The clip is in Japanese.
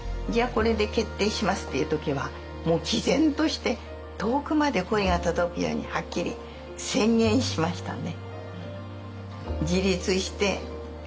これで決定しますっていう時はもうきぜんとして遠くまで声が届くようにはっきり宣言しましたね。